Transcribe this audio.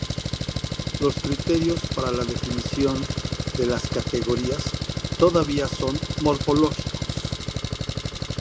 Los criterios para la definición de las categorías todavía son morfológicos.